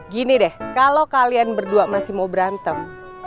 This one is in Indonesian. gini deh kalau kalian berdua masih mau berantem